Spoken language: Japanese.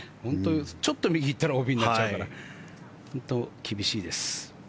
ちょっと右に行ったらＯＢになっちゃうから本当に厳しいです。